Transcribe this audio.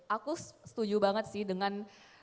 aku setuju banget sih dengan